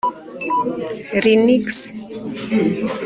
Lynxx